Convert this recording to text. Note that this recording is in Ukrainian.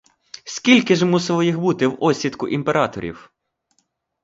Скільки ж мусило їх бути в осідку імператорів?